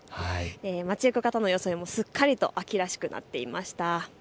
街行く方の様子はすっかりと秋らしくなっていました。